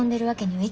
はい。